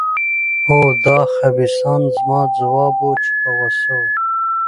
هو، دا خبیثان. زما ځواب و، چې په غوسه وو.